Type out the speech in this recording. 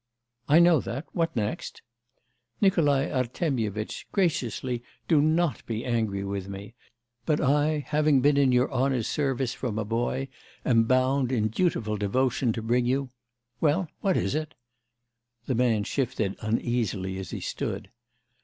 'I know that; what next!' 'Nikolai Artemyevitch, graciously do not be angry with me; but I, having been in your honour's service from a boy, am bound in dutiful devotion to bring you ' 'Well what is it?' The man shifted uneasily as he stood.